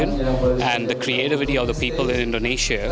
dan kreativitas orang orang di indonesia